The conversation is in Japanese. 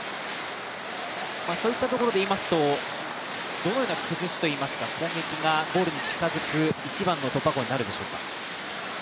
そういったところで言いますとどういった攻撃がゴールに近づく一番の突破口になるでしょうか？